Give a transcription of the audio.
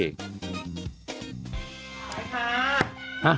ขอบคุณค่ะ